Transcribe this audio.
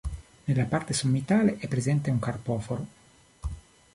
Nella parte sommitale è presente un carpoforo.